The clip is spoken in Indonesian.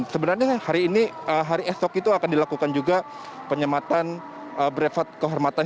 sebenarnya hari ini hari esok itu akan dilakukan juga penyematan brefat kehormatan